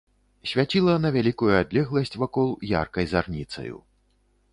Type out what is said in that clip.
Свяціла на вялікую адлегласць вакол яркай зарніцаю.